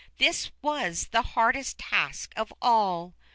This was the hardest task of all.